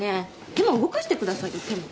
手も動かしてくださいよ手も。